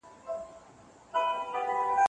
لارښود ته ښايي چي د شاګرد مخالفت ومني.